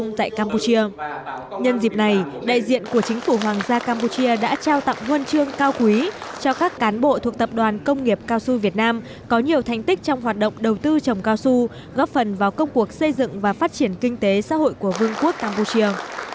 nhân dịp này đại diện của chính phủ hoàng gia campuchia đã trao tặng huân chương cao quý cho các cán bộ thuộc tập đoàn công nghiệp cao su việt nam có nhiều thành tích trong hoạt động đầu tư trồng cao su góp phần vào công cuộc xây dựng và phát triển kinh tế xã hội của vương quốc campuchia